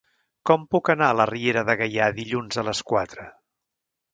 Com puc anar a la Riera de Gaià dilluns a les quatre?